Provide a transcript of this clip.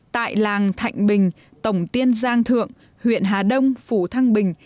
tại làng thạnh bình tổng tiên giang thượng huyện hà đông phủ thăng bình